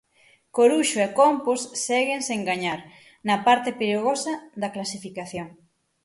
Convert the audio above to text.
Coruxo e Compos seguen sen gañar, na parte perigosa da clasificación.